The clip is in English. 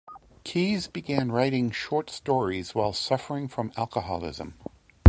Keyes began writing short stories while suffering from alcoholism.